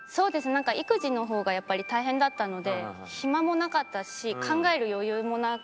なんか育児の方がやっぱり大変だったので暇もなかったし考える余裕もなかったし。